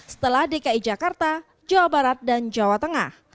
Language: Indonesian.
setelah dki jakarta jawa barat dan jawa tengah